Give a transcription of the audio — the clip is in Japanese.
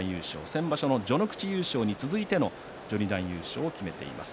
先場所の序ノ口優勝に続いての序二段優勝を決めています。